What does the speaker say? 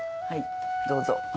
はいどうぞ。